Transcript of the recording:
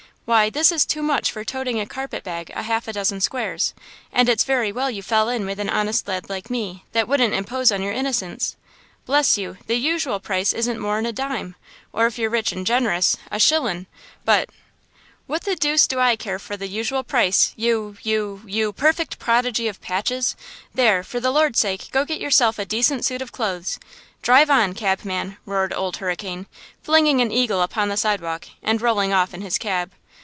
Why, this is too much for toting a carpet bag a half a dozen squares; and it's very well you fell in with a honest lad like me, that wouldn't impose on your innocence. Bless you, the usual price isn't more'n a dime, or, if you're rich and generous, a shillin'; but–" "What the deuce do I care for the usual price, you–you–you perfect prodigy of patches? There, for the Lord's sake, go get youself a decent suit of clothes! Drive on, cabman!" roared Old Hurricane, flinging an eagle upon the sidewalk and rolling off in his cab.